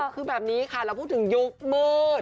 คือแบบนี้ค่ะเราพูดถึงยุคมืด